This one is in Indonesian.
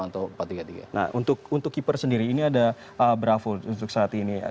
nah untuk keeper sendiri ini ada braful untuk saat ini